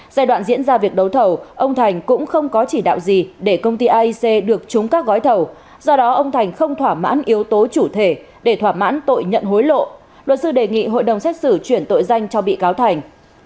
giai đoạn diễn ra việc đấu thầu ông thành cũng không có chỉ đạo gì để công ty aic được trúng các gói thầu do đó ông thành không thỏa mãn yếu tố chủ thể để thỏa mãn tội nhận hối lộ luật sư đề nghị hội đồng xét xử chuyển tội danh cho bị cáo thành